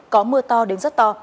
có mưa to đến giấc to